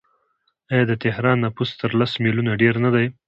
آیا د تهران نفوس تر لس میلیونه ډیر نه دی؟